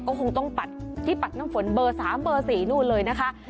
ก็คงต้องปัดที่ปัดน้ำฝนเบอร์๓เบอร์๔นู่นเลยนะคะ